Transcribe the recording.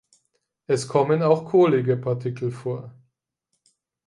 Es kommen auch kohlige Partikel vor.